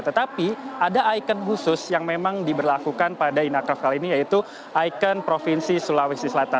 tetapi ada ikon khusus yang memang diberlakukan pada inacraft kali ini yaitu ikon provinsi sulawesi selatan